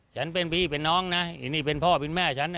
ฉันเป็นพี่เป็นน้องนะไอ้นี่เป็นพ่อเป็นแม่ฉันนะ